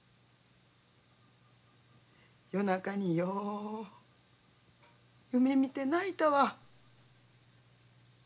夜中によう夢見て泣いたわ。